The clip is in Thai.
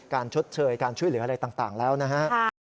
ชดเชยการช่วยเหลืออะไรต่างแล้วนะฮะ